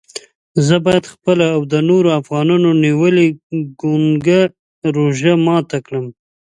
زه باید خپله او د نورو افغانانو نیولې ګونګه روژه ماته کړم.